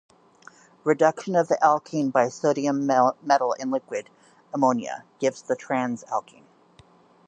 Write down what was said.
Reduction of the alkyne by sodium metal in liquid ammonia gives the "trans"-alkene.